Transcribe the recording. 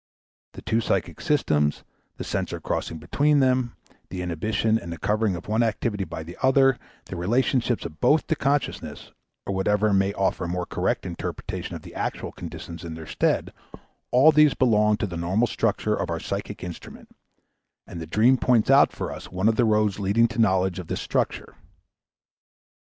The two psychic systems, the censor crossing between them, the inhibition and the covering of the one activity by the other, the relations of both to consciousness or whatever may offer a more correct interpretation of the actual conditions in their stead all these belong to the normal structure of our psychic instrument, and the dream points out for us one of the roads leading to a knowledge of this structure.